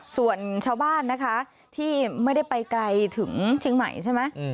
ส่วนชาวบ้านนะคะที่ไม่ได้ไปไกลถึงเชียงใหม่ใช่ไหม